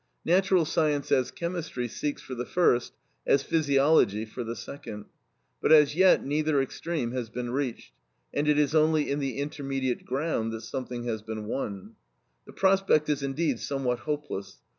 Natural science as chemistry seeks for the first, as physiology for the second. But as yet neither extreme has been reached, and it is only in the intermediate ground that something has been won. The prospect is indeed somewhat hopeless.